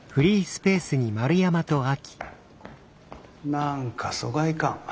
何か疎外感。